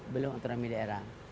belum otonomi daerah